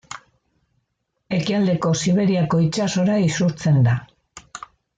Ekialdeko Siberiako itsasora isurtzen da.